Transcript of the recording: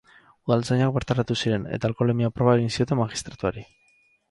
Udaltzainak bertaratu ziren, eta alkoholemia-proba egin zioten magistratuari.